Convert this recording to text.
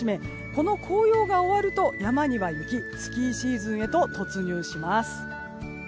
この紅葉が終わると山には雪スキーシーズンへと突入します。